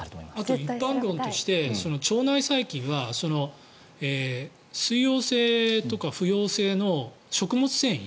あと一般論として腸内細菌は水溶性とか不溶性の食物繊維。